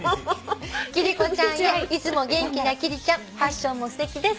「貴理子ちゃんへいつも元気な貴理ちゃんファッションもすてきです」